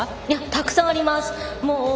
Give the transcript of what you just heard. たくさんあります。